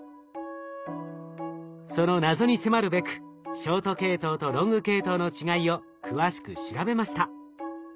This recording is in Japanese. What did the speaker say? その謎に迫るべくショート系統とロング系統の違いを詳しく調べました。